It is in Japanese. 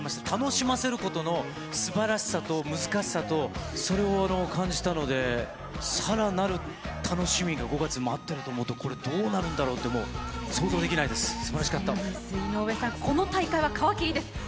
楽しませることのすばらしさと難しさと、それを感じたので、さらなる楽しみが、５月、待ってると思うと、これ、どうなるんだろうって、もう想像できないです、井上さん、この大会は皮切りです。